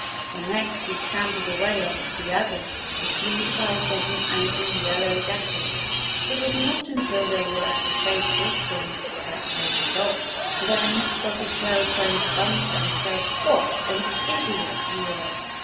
The next he scampered away after the others, pursued by a dozen angry Yel low Jackets. It was not until they were at a safe distance that they stopped. Then Spotted Tail turned to Bumper, and said: " What an idiot you were